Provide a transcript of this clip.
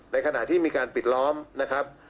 ในขณะที่มีการปิดล้อมนะครับ